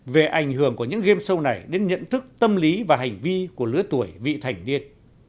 về ảnh hưởng của những game show này đến nhận thức tâm lý và hành vi của lứa tuổi vị thành niên